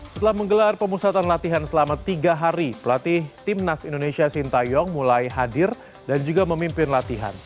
setelah menggelar pemusatan latihan selama tiga hari pelatih timnas indonesia sintayong mulai hadir dan juga memimpin latihan